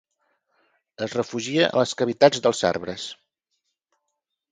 Es refugia a les cavitats dels arbres.